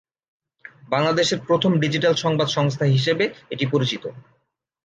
বাংলাদেশের প্রথম ডিজিটাল সংবাদ সংস্থা হিসেবে এটি পরিচিত।